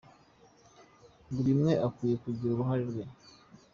Buri umwe akwiye kugira uruhare rwe.